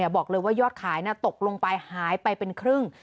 บอกเลยว่ายอดขายตกลงไปหายไปเป็นครึ่ง